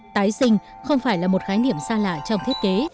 tái sinh không phải là một khái niệm xa lạ trong thiết kế